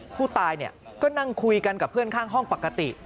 ผู้ตายก็นั่งคุยกันกับเพื่อนข้างห้องปกติ